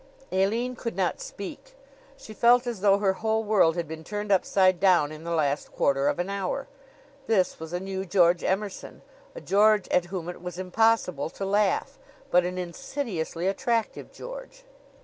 Aline could not speak. She felt as though her whole world had been turned upside down in the last quarter of an hour. This was a new George Emerson, a George at whom it was impossible to laugh, but an insidiously attractive George.